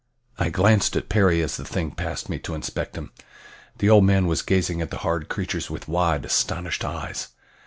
I glanced at Perry as the thing passed me to inspect him. The old man was gazing at the horrid creature with wide astonished eyes.